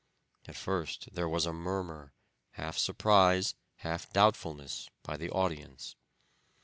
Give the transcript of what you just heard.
At first there was a murmur, half surprise, half doubtfulness, by the audience.